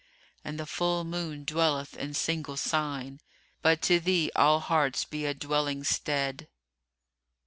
And the full moon dwelleth in single sign, * But to thee all hearts be a dwelling stead."